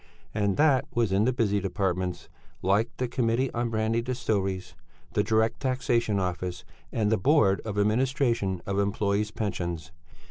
And that was in the busy departments, like the Committee on Brandy Distilleries, the Direct Taxation Office and The Board of Administration of Employés' Pensions.